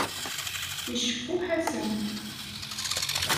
Iceffu Ḥasan.